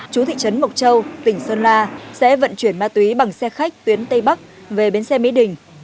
chú thị trấn mộc châu tỉnh sơn la sẽ vận chuyển ma túy bằng xe khách tuyến tây bắc về bến xe mỹ đình